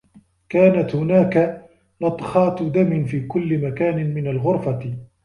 كانت هناك لطخات دم في كلّ مكان من الغرفة.